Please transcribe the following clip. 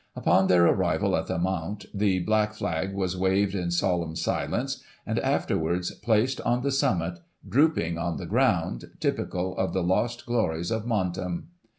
Upon their arrival at the Mount, the black flag was waved in solemn silence, and, after wards, placed on the summit, drooping on the ground, typical of the lost glories of Montem.